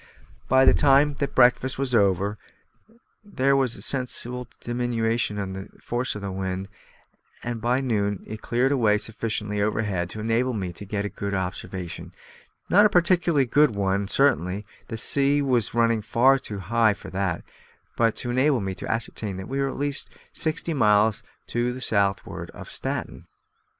By the time that breakfast was over there was a sensible diminution in the force of the wind, and by noon it cleared away sufficiently overhead to enable me to get an observation, not a particularly good one certainly the sea was running far too high for that; but it enabled me to ascertain that we were at least sixty miles to the southward of Staten.